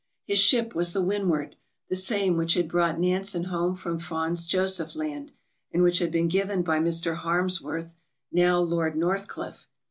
His ship was the "Windward" — the same which had brought Nansen home from Franz Josef Land, and which had been given by Mr. Harmsworth (now Lord Northcliffe)